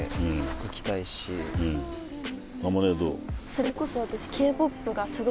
それこそ私。